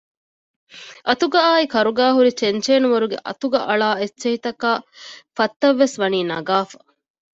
އަތުގައާއި ކަރުގައިހުރި ޗެންޗޭނުވަރުގެ އަތުގަ އަޅާ އެއްޗެހިތަކާ ފަށްތައްވެސް ވަނީ ނަގާފަ